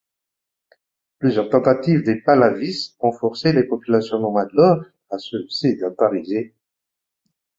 Plusieurs tentatives des Pahlavis ont forcé les populations nomades Lor à se sédentariser.